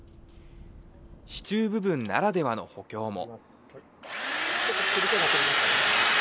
支柱部分ならではの補強も。